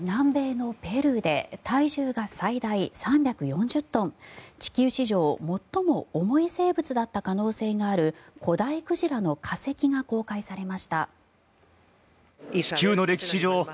南米のペルーで体重が最大３４０トン地球史上最も重い生物だった可能性がある古代鯨の化石が公開されました。